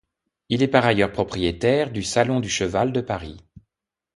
Il est par ailleurs propriétaire du Salon du cheval de Paris.